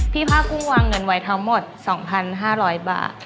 ผ้ากุ้งวางเงินไว้ทั้งหมด๒๕๐๐บาท